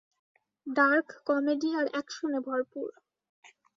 Dark comedy আর একশনে ভরপুর।